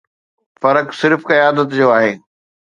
فرق صرف قيادت جو آهي.